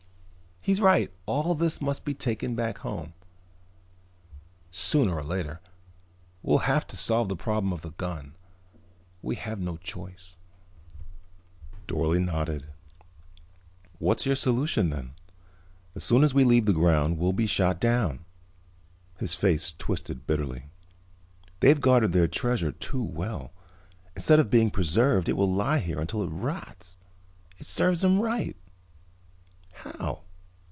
He's right: all this must be taken back home, sooner or later. We'll have to solve the problem of the gun. We have no choice." Dorle nodded. "What's your solution, then? As soon as we leave the ground we'll be shot down." His face twisted bitterly. "They've guarded their treasure too well. Instead of being preserved it will lie here until it rots. It serves them right." "How?"